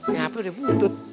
yang hp udah butuh